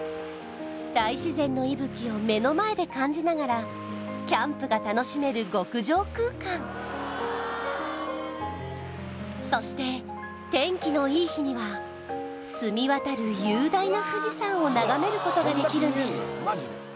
大自然の息吹を目の前で感じながらキャンプが楽しめる極上空間そして天気のいい日には澄み渡る雄大な富士山を眺めることができるんです